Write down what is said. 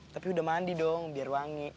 tapi udah mandi dong biar wangi